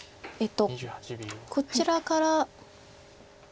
こちらから。